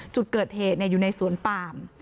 จุดเกิดเหตุอยู่ในสวนปาม